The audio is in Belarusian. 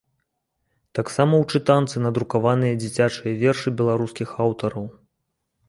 Таксама ў чытанцы надрукаваныя дзіцячыя вершы беларускіх аўтараў!